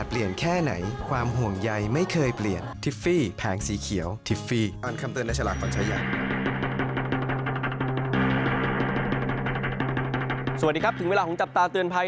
สวัสดีครับถึงเวลาของจับตาเตือนภัย